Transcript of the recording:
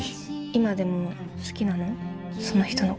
今でも好きなの？